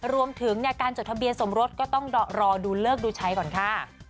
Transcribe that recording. รวมถึงการจดทะเบียนสมรสก็ต้องรอดูเลิกดูใช้ก่อนค่ะ